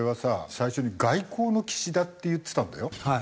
最初に「外交の岸田」って言ってたんだよ？